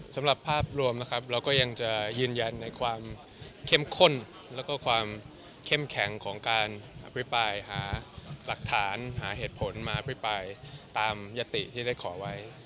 สำหรับภาพรวมนะครับเราก็ยังจะยืนยันในความเข้มข้นแล้วก็ความเข้มแข็งของการอภิปรายหาหลักฐานหาเหตุผลมาอภิปรายตามยติที่ได้ขอไว้